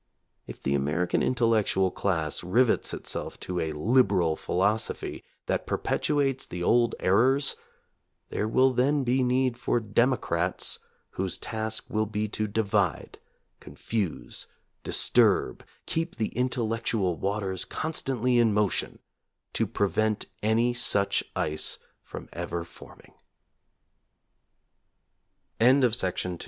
If the American intellectual class rivets itself to a "liberal" philosophy that perpetuates the old errors, there will then be need for "democrats" whose task will be to divide, con fuse, disturb, keep the intellectual waters con stantly in motion to prevent any such ice from ever fo